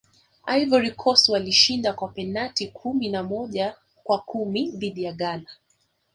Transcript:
ivory coast walishinda kwa penati kumi na moja kwa kumi dhidi ya ghana